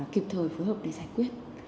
kịp thời phù hợp để giải quyết